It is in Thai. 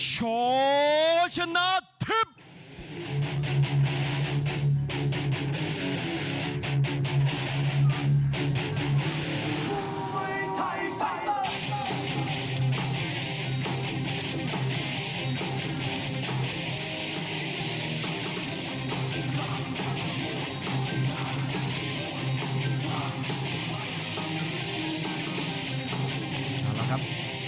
โชชนาธิบ